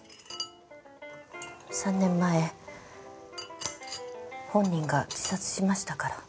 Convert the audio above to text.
３年前本人が自殺しましたから。